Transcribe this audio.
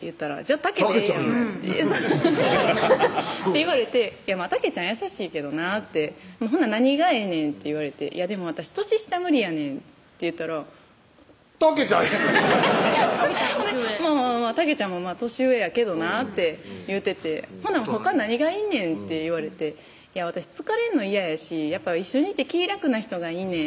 たけちゃんやんって言われて「たけちゃん優しいけどな」って「ほな何がええねん」って言われて「でも私年下無理やねん」って言ったらたけちゃんやん「まぁまぁたけちゃんも年上やけどな」って言ってて「ほなほか何がいんねん」って言われて「私疲れんの嫌やしやっぱ一緒にいて気ぃ楽な人がいいねん」